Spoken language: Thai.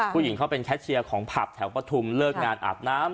ผู้หญิงเขาเป็นแคชเชียร์ของผับแถวปฐุมเลิกงานอาบน้ำ